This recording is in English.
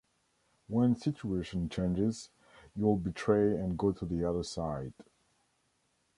When situation changes, you’ll betray and go to the other side.